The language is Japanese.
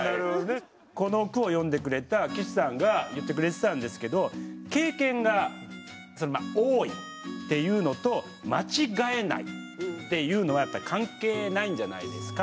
この句を詠んでくれた貴志さんが言ってくれてたんですけど「経験が多いっていうのと間違えないっていうのはやっぱり関係ないんじゃないですか？」と。